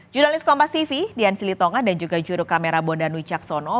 jurnalis kompas tv dian silitonga dan juga juru kamera bondan wicaksono